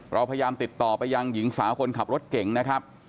เราพยายามติดต่อไปยังหญิงสาวคนขับรถเก่งนะครับ